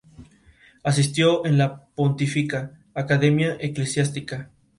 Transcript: Asistió en la Pontificia Academia Eclesiástica.